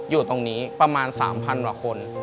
อยู่ตรงนี้ประมาณ๓๐๐กว่าคน